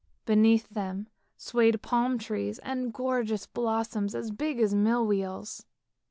Beneath them swayed palm trees and gorgeous blossoms as big as mill wheels.